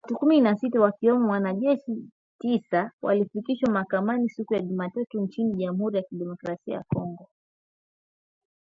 Watu kumi na sita wakiwemo wanajeshi tisa walifikishwa mahakamani siku ya Jumatatu nchini Jamhuri ya Kidemokrasi ya Kongo